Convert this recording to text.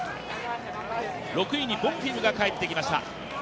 ６位にボンフィムが帰ってきました